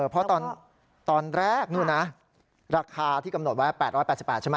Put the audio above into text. เพราะตอนแรกนู่นนะราคาที่กำหนดไว้๘๘ใช่ไหม